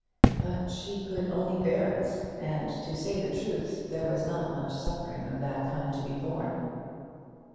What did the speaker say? But she could only bear it. And, to say the truth, there was not much suffering of that kind to be borne.